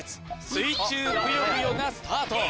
水中ぷよぷよがスタート